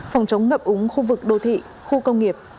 phòng chống ngập úng khu vực đô thị khu công nghiệp